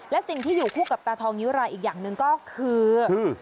และสิ่งที่อยู่คู่กับตาทองนิ้วรายอีกอย่างหนึ่งก็คือ